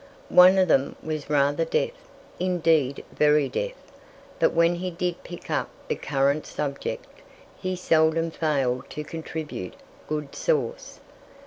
One of them was rather deaf indeed very deaf, but when he did pick up the current subject, he seldom failed to contribute good sauce.